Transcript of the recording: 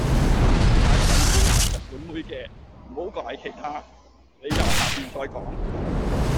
要買鬼妹同日本妹嘅，唔好買其他，理由下面再講。